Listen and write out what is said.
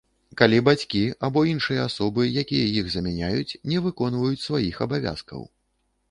Калі бацькі або іншыя асобы, якія іх замяняюць, не выконваюць сваіх абавязкаў.